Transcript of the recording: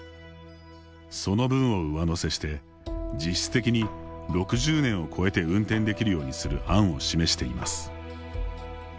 その分を上乗せして実質的に６０年を超えて運転できるようにする案を示しています。